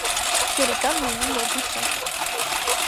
Երիկամն ունի լոբու ձև։